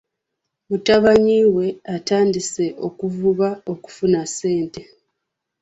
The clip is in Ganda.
Mutabani we atandise okuvuba okufuna ssente.